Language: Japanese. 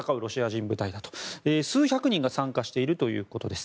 数百人が参加しているということです。